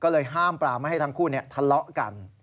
ก็เลยห้ามปลาไม่ให้ทั้งคู่ทะเลาะกัน